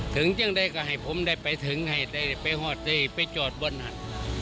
ถึงอย่างไรก็ให้ผมได้ไปถึงให้ไปหอดลูกไปจอดบ้านฮัน